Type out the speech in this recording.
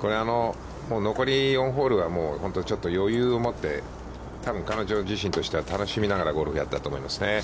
これ、残り４ホールは本当にちょっと余裕を持って多分彼女自身としては、楽しみながらゴルフをやったと思いますね。